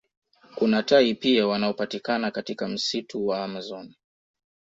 Kuna tai pia wanaopatikana katika msitu wa amazon